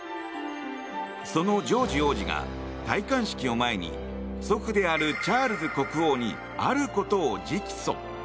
そのジョージ王子が戴冠式を前に祖父であるチャールズ国王にあることを直訴。